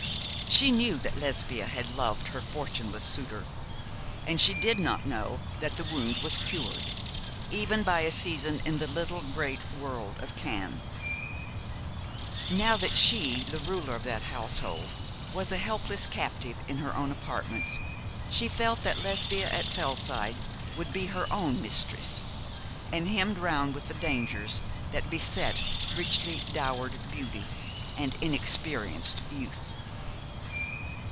She knew that Lesbia had loved her fortuneless suitor; and she did not know that the wound was cured, even by a season in the little great world of Cannes. Now that she, the ruler of that household, was a helpless captive in her own apartments, she felt that Lesbia at Fellside would be her own mistress, and hemmed round with the dangers that beset richly dowered beauty and inexperienced youth.